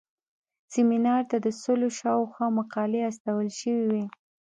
سیمینار ته د سلو شاوخوا مقالې استول شوې وې.